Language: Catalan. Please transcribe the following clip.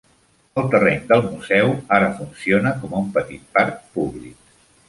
El terreny del museu ara funciona com a un petit parc públic.